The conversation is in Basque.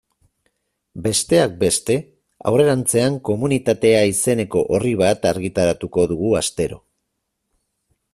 Besteak beste, aurrerantzean Komunitatea izeneko orri bat argitaratuko dugu astero.